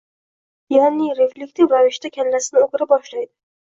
ya’ni reflektiv ravishda kallasini o‘gira boshlaydi.